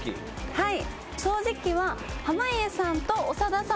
はい。